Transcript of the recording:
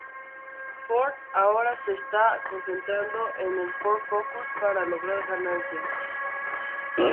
Ford ahora se está concentrando en el Ford Focus para lograr ganancias.